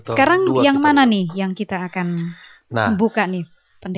sekarang yang mana nih yang kita akan buka nih